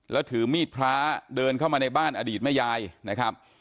แล้วถือมีดพระเดินเข้ามาในบ้านอดีตแม่ยายนะครับ